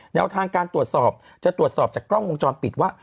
แนวทางการตรวจสอบจะตรวจสอบจากกล้องวงจรปิดว่า